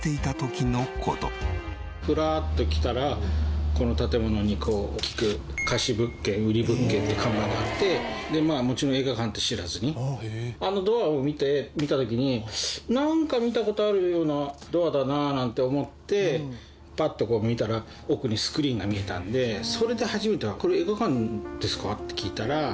ふらっと来たらこの建物に大きく「貸物件」「売物件」って看板があってもちろんあのドアを見た時になんか見た事あるようなドアだななんて思ってパッとこう見たら奥にスクリーンが見えたんでそれで初めて「これ映画館ですか？」って聞いたら。